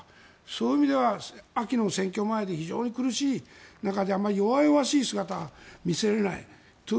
そういう意味では秋の選挙前で非常に苦しい中であまり弱々しい姿を見せれない。